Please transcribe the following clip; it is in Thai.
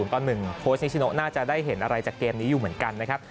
โค้ชนิชิโนน่าจะได้เห็นอะไรจากเกมนี้อยู่เหมือนกันนะครับ